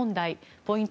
ポイント